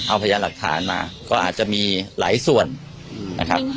เอาพยานหลักฐานมาก็อาจจะมีหลายส่วนนะครับ